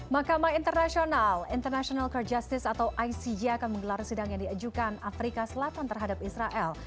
mahkamah internasional international cour justice atau icg akan menggelar sidang yang diajukan afrika selatan terhadap israel